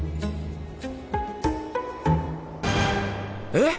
えっ！？